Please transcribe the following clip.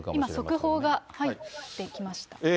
今、速報が入ってきました。